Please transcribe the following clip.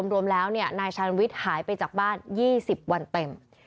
รวมแล้วนายชาญวิทย์หายไปจากบ้าน๒๐วันเต็ม